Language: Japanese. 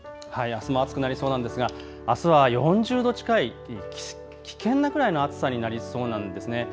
あすも暑くなりそうなんですが、あすは４０度近い、危険なくらいの暑さになりそうなんです。